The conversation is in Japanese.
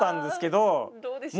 どうでした？